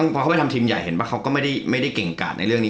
พอเขาไปทำทีมใหญ่เห็นว่าเขาก็ไม่ได้เก่งกาดในเรื่องนี้